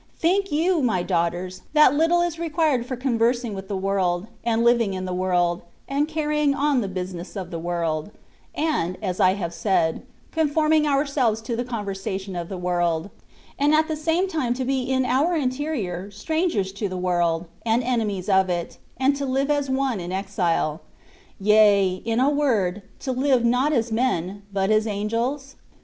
Think you, my daughters, that little is required for conversing with the world, and living in the world, and carrying on the business of the world, and (as I said) conforming ourselves to the con versation of the world ; and at the same time to be in our interior strangers to the world, and enemies of it, and to live as one in exile ; yea, in a word, to live not as men, but as angels